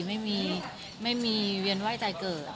ไม่มีเวียนไหว้ใจเกิด